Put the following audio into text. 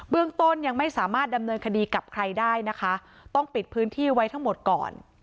เรื่องต้นยังไม่สามารถดำเนินคดีกับใครได้นะคะต้องปิดพื้นที่ไว้ทั้งหมดก่อน